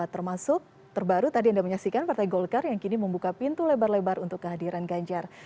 termasuk terbaru tadi anda menyaksikan partai golkar yang kini membuka pintu lebar lebar untuk kehadiran ganjar